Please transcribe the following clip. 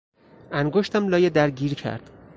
انگشتم لای در گیر کرد.